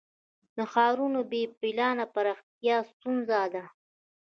د ښارونو بې پلانه پراختیا ستونزه ده.